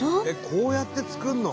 こうやって作るの？